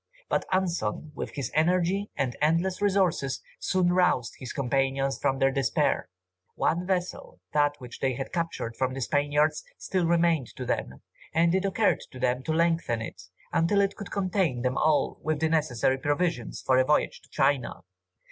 But Anson, with his energy and endless resources, soon roused his companions from their despair! One vessel, that which they had captured from the Spaniards, still remained to them, and it occurred to them to lengthen it, until it could contain them all with the necessary provisions for a voyage to China.